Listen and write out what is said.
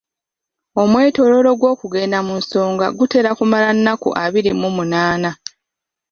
Omwetooloolo gw'okugenda mu nsonga gutera kumala nnaku abiri mu munaana.